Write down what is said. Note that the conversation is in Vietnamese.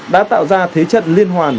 đã tạo ra thế chất liên hoàn